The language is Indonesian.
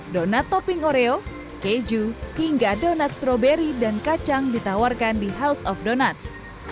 donat topping oreo keju hingga donat stroberi dan kacang ditawarkan di house of donuts